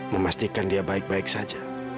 memastikan dia baik baik saja